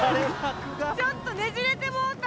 ちょっとねじれてもうた！